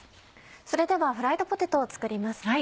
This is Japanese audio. それではフライドポテトを作ります。